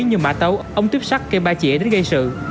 như mã tấu ống tuyếp sắt cây ba chĩa đến gây sự